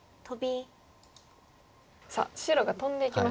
さあ白がトンでいきました。